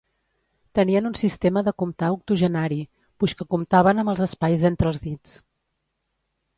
Tenien un sistema de comptar octogenari, puix que comptaven amb els espais d'entre els dits.